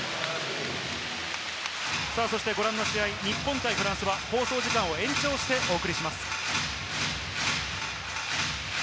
ご覧の試合、日本対フランスは放送時間を延長してお送りします。